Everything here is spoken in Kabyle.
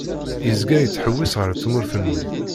Yezga yettḥewwis ar tmurt-nni.